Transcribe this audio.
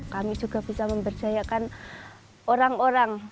kami juga bisa memberdayakan orang orang